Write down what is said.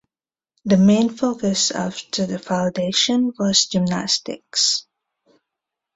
The main focus after the foundation was gymnastics.